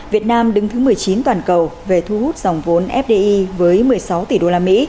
việt nam đứng thứ một mươi chín toàn cầu về thu hút dòng vốn fdi với một mươi sáu tỷ usd